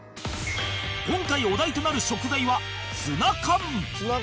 今回お題となる食材はツナ缶